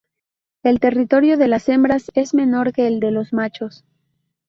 El territorio de las hembras es menor que el de los machos.